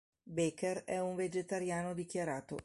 Becker è un vegetariano dichiarato.